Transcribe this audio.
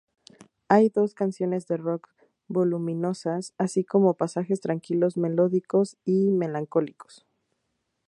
Hay dos canciones de rock voluminosas, así como pasajes tranquilos, melódicos y melancólicos.